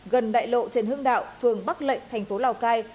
gần đại lộ trên hương đạo phường bắc lệnh thành phố lào cai